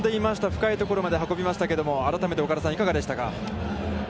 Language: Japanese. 深いところまで運びましたが、改めて岡田さん、いかがでしたか。